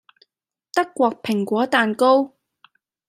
德國蘋果蛋糕